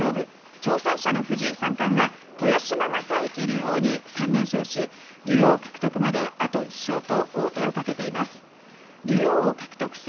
挑戦者の藤井三冠は豊島将之竜王に３連勝し、竜王獲得まで、あと１勝と王手をかけています。